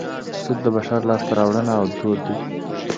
سود د بشر لاسته راوړنه او دود دی